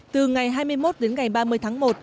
từ ngày hai mươi một đến ngày ba mươi tháng một